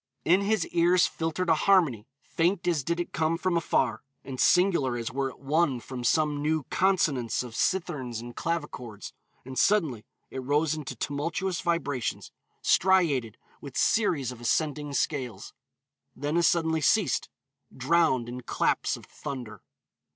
In his ears filtered a harmony, faint as did it come from afar, and singular as were it won from some new consonance of citherns and clavichords, and suddenly it rose into tumultuous vibrations, striated with series of ascending scales. Then as suddenly ceased, drowned in claps of thunder.